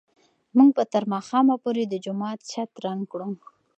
موږ به تر ماښامه پورې د جومات چت رنګ کړو.